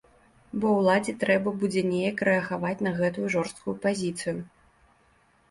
Бо ўладзе трэба будзе неяк рэагаваць на гэтую жорсткую пазіцыю.